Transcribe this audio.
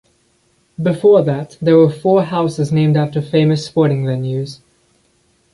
Before that, there were four houses named after famous sporting venues.